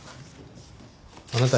あなた